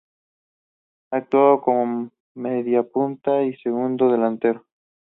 Actuaba como mediapunta o segundo delantero.